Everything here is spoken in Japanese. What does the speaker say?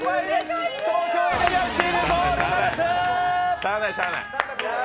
しゃぁない、しゃぁない。